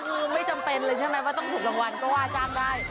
คือไม่จำเป็นเลยใช่ไหมว่าต้องถูกรางวัลก็ว่าจ้างได้